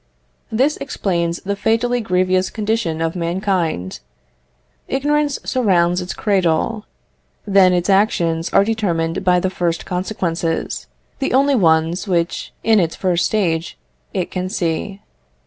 This explains the fatally grievous condition of mankind. Ignorance surrounds its cradle: then its actions are determined by their first consequences, the only ones which, in its first stage, it can see.